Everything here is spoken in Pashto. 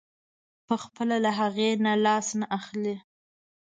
پخپله له هغې نه لاس نه اخلي.